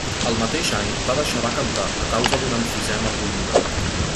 El mateix any va deixar de cantar a causa d'un emfisema pulmonar.